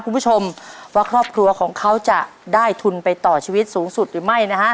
คุณผู้ชมว่าครอบครัวของเขาจะได้ทุนไปต่อชีวิตสูงสุดหรือไม่นะฮะ